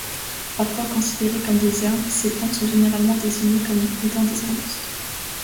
Parfois considérées comme des herbes, ces plantes sont généralement désignées comme étant des arbustes.